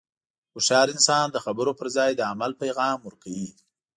هوښیار انسان د خبرو پر ځای د عمل پیغام ورکوي.